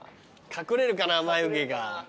隠れるかな眉毛が。